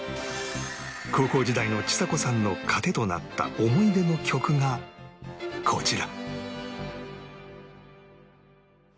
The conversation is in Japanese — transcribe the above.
高校時代のちさ子さんの糧となった思い出の曲がこちら